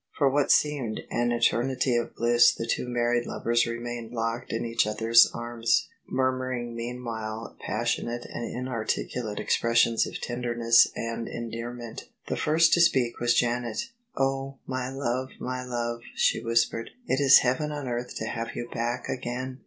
For what seemed an eternity of bliss the two married lov ers remained locked in each other's arms, murmuring mean while passionate and inarticulate expressions of tenderness and endearment. The first to speak was Janet. " Oh ! my love, my love," she whispered, " it is heaven on earth to have you back again